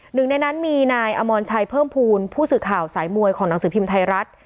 หนึ่งในนั้นมีนายอมรชัยเพิ่มภูมิผู้สื่อข่าวสายมวยของหนังสือพิมพ์ไทยรัฐ